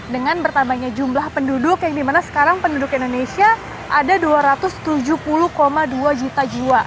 dengan bertambahnya jumlah penduduk yang dimana sekarang penduduk indonesia ada dua ratus tujuh puluh dua juta jiwa